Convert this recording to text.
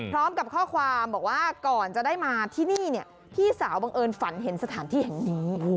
พร้อมกับข้อความบอกว่าก่อนจะได้มาที่นี่เนี่ยพี่สาวบังเอิญฝันเห็นสถานที่แห่งนี้